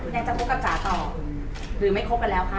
แนนจะคบกับจ๋าต่อหรือไม่คบกันแล้วคะ